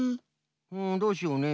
うんどうしようね。